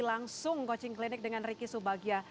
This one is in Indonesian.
langsung coaching clinic dengan riki subagia